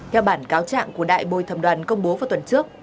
theo bản cáo trạng của đại bồi thẩm đoàn công bố vào tuần trước